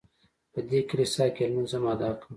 په دې کلیسا کې یې لمونځ هم ادا کړ.